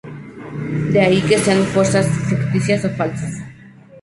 De ahí que sean fuerzas ficticias o falsas.